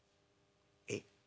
「えっ？